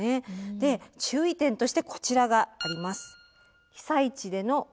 で注意点としてこちらがあります。